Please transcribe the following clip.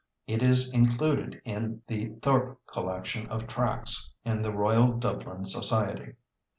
It is included in the Thorpe collection of tracts in the Royal Dublin Society.